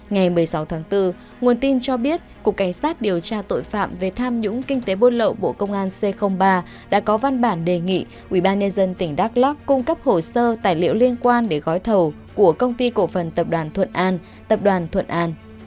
ngày một mươi sáu tháng bốn nguồn tin cho biết cục cảnh sát điều tra tội phạm về tham nhũng kinh tế buôn lậu bộ công an c ba đã có văn bản đề nghị ubnd tỉnh đắk lắc cung cấp hồ sơ tài liệu liên quan đến gói thầu của công ty cổ phần tập đoàn thuận an tập đoàn thuận an